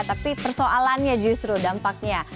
tapi persoalannya justru dampaknya